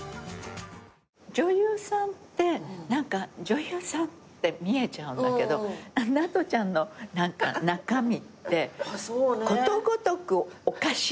女優さんって何か女優さんって見えちゃうんだけどなとちゃんの中身ってことごとくおかしい。